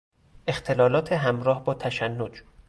اختلالات همراه با تشنج